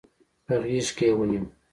په غېږ کې يې ونيو.